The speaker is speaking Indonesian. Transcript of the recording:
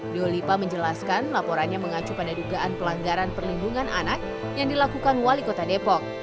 deolipa menjelaskan laporannya mengacu pada dugaan pelanggaran perlindungan anak yang dilakukan wali kota depok